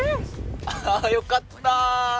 よかった！